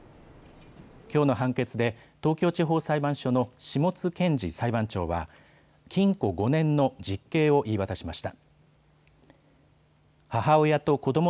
きょうの判決で東京地方裁判所の下津健司裁判長は禁錮５年の実刑を言い渡しました。